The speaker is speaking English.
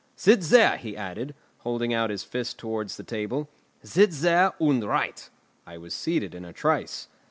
"Sit there," he added, holding out his fist towards the table. "Sit there, and write." I was seated in a trice.